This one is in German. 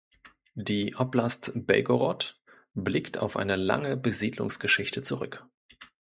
Die Oblast Belgorod blickt auf eine lange Besiedlungsgeschichte zurück.